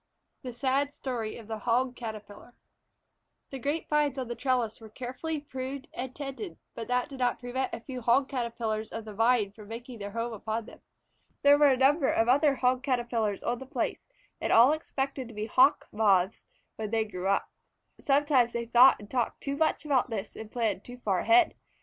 THE SAD STORY OF THE HOG CATERPILLAR THE grape vines on the trellis were carefully pruned and tended, but that did not prevent a few Hog Caterpillars of the Vine from making their home upon them. There were a number of other Hog Caterpillars on the place, and all expected to be Hawk Moths when they grew up. Sometimes they thought and talked too much about this, and planned too far ahead.